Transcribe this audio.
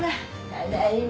ただいま。